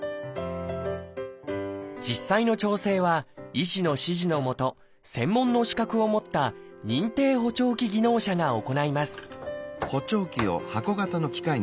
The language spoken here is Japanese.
実際の調整は医師の指示のもと専門の資格を持った「認定補聴器技能者」が行います